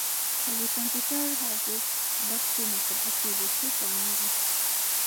که د کمپیوټر هارډیسک ډک شي نو سرعت یې بیخي کمیږي.